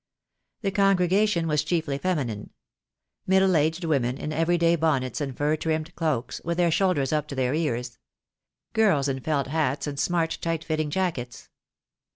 The congregation was chiefly feminine. Middle aged women in everyday bonnets and fur trimmed cloaks, with their shoulders up to their ears. Girls in felt hats and smart, tight fitting jackets.